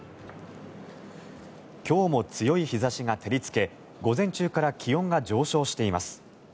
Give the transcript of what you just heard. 今日も強い日差しが照りつけ午前中から気温が上昇しています。